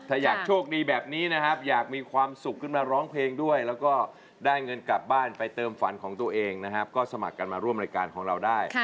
ถ้าอยากโชคดีแบบนี้นะครับอยากมีความสุขขึ้นมาร้องเพลงด้วยแล้วก็ได้เงินกลับบ้านไปเติมฝันของตัวเองนะครับก็สมัครกันมาร่วมรายการของเราได้